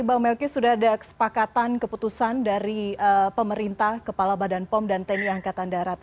bang melki sudah ada kesepakatan keputusan dari pemerintah kepala badan pom dan tni angkatan darat